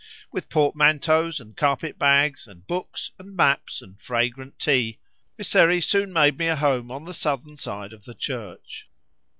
With portmanteaus and carpet bags, and books and maps, and fragrant tea, Mysseri soon made me a home on the southern side of the church.